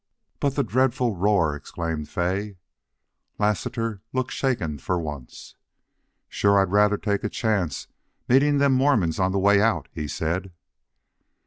"But the dreadful roar!" exclaimed Fay. Lassiter looked shaken for once. "Shore I'd rather taken a chance meetin' them Mormons on the way out," he said.